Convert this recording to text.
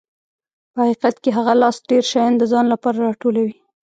په حقیقت کې هغه لاس ډېر شیان د ځان لپاره راټولوي.